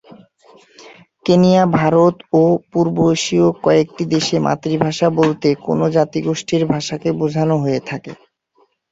Kenya, Bharat, ও পূর্ব এশীয় কয়েকটি দেশে "মাতৃভাষা" বলতে কোন জাতিগোষ্ঠীর ভাষাকে বুঝানো হয়ে থাকে।